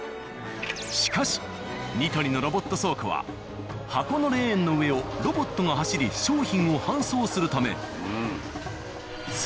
しかし「ニトリ」のロボット倉庫は箱のレーンの上をロボットが走り商品を搬送するため。